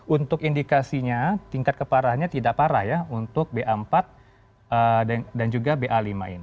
untuk indikasinya tingkat keparahnya tidak parah ya untuk ba empat dan juga ba lima ini